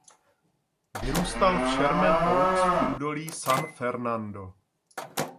Vyrůstal v Sherman Oaks v údolí San Fernando.